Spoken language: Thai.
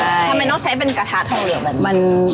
ทำไมต้องใช้เป็นกระทะทองเหลืองแบบมัน